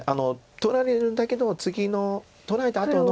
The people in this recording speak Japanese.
取られるんだけど次の取られたあとの。